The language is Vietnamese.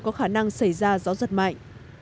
có khả năng xảy ra gió giật mạnh